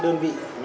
thông qua nó